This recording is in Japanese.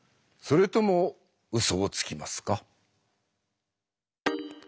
それともうそをつきますか？